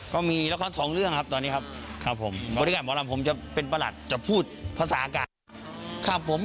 ก็มีละครสองเรื่องครับตอนนี้ครับครับผมบริการหมอลำผมจะเป็นประหลัดจะพูดภาษาอากาศครับผม